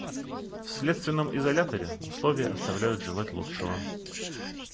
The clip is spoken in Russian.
В следственном изоляторе условия оставляют желать лучшего.